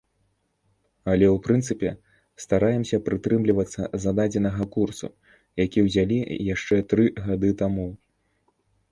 Але ў прынцыпе, стараемся прытрымлівацца зададзенага курсу, які ўзялі яшчэ тры гады таму.